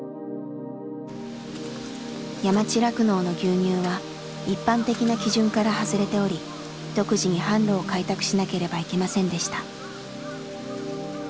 山地酪農の牛乳は一般的な基準から外れており独自に販路を開拓しなければいけませんでした。